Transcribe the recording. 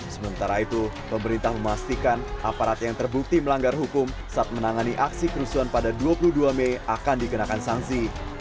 sementara itu pemerintah memastikan aparat yang terbukti melanggar hukum saat menangani aksi kerusuhan pada dua puluh dua mei akan dikenakan sanksi